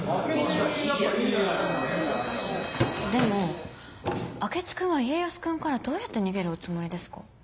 でも明智君は家康君からどうやって逃げるおつもりですか？